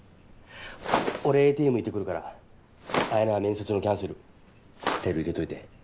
俺ＡＴＭ行ってくるからあやなは面接のキャンセルＴＥＬ入れといて！